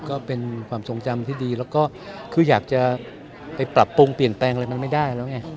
ก็เป็นความทรงจำที่ดีแล้วก็คืออยากจะไปปรับปรุงเปลี่ยนแปลงอะไรมันไม่ได้แล้วไง